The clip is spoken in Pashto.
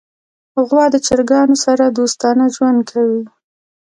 غوا د چرګانو سره دوستانه ژوند کوي.